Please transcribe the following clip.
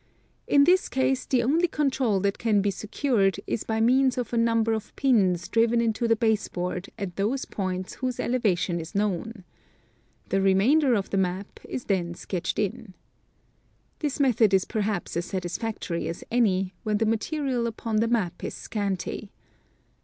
In this case the only control that can be secured is \)j means of a num ber of pins driven into the base board at those points whose elevation is known. The remainder of the map is then sketched in. This method is perhaps as satisfactory as any, when the material upon the map is scanty.